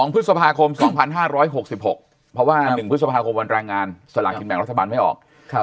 พฤษภาคม๒๕๖๖เพราะว่า๑พฤษภาคมวันแรงงานสลากกินแบ่งรัฐบาลไม่ออก